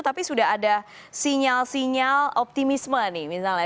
tapi sudah ada sinyal sinyal optimisme nih misalnya